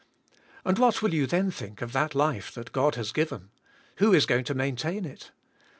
And what will you then think of that life that God has given? Who is going to maintain it?